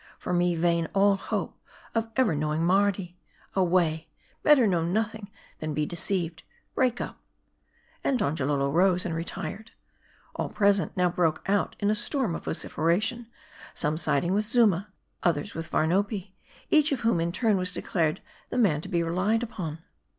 For me, vain all hope of ever knowing Mardi ! Away ! Better know nothing, than be deceived. Break up !" And Donjalolo rose, and retired. All present now broke out in a storm of vociferations'; some siding with Zuma ; others with Varnopi ; each of whom, in turn, was declared the man to be relied upon.